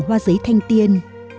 hoa giấy thanh tiên